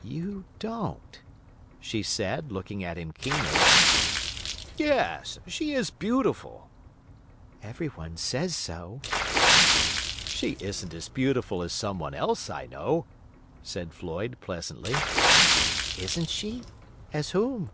"You don't," she said, looking at him keenly. "Yes, she is beautiful." "Everyone says so." "She isn't as beautiful as someone else I know," said Floyd, pleasantly. "Isn't she? As whom?"